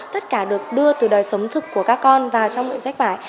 tất cả được đưa từ đời sống thực của các con vào trong mượn sách vải